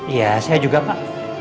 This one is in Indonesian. ya saya juga pak